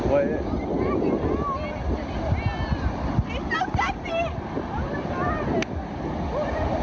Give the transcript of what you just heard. ไว้อย่างนี้